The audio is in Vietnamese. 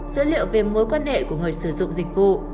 dữ liệu về mối quan hệ của người sử dụng dịch vụ